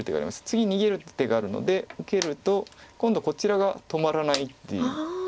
次逃げる手があるので受けると今度こちらが止まらないっていう。